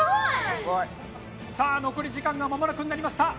さあ残り時間がまもなくになりました。